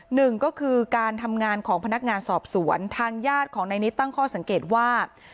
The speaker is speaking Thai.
หนึ่งก็คือการทำงานของพนักงานสอบสวนทางญาติของนายนิดตั้งข้อสังเกตว่า